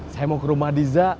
saya mau ke rumah diza